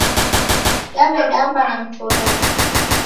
Dawedamba na mtorori